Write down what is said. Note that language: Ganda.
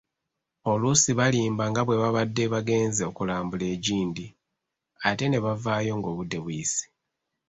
Oluusi balimba nga bwe babadde bagenze okulambula egindi ate nebavaayo ng'obudde buyise.